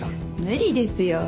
無理ですよ。